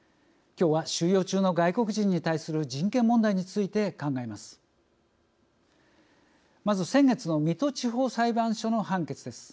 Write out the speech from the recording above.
今日は、収容中の外国人に対する人権問題について考えます。